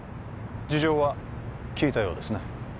事情は聴いたようですね